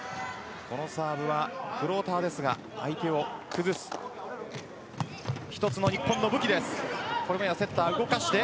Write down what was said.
このサーブはフローターですが相手を崩す一つの日本の武器です